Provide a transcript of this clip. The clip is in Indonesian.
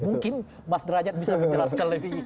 mungkin mas rajat bisa menjelaskan lebih